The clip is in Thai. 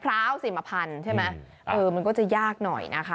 พร้าวสิมพันธุ์ใช่ไหมเออมันก็จะยากหน่อยนะคะ